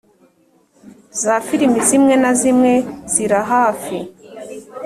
za firimi zimwe na zimwe zirahafi.